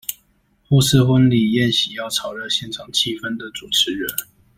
或是婚禮宴席要炒熱現場氣氛的主持人